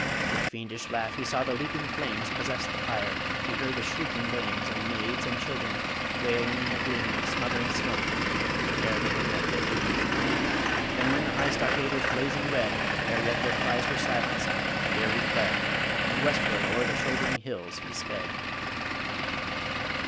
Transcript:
With fiendish laugh, he saw the leaping flames Possess the pyre; he heard the shrieking dames, And maids and children, wailing in the gloom Of smothering smoke, e'er they had met their doom. Then when the high stockade was blazing red, Ere yet their cries were silenced, Garry fled, And westward o'er the shouldering hills he sped.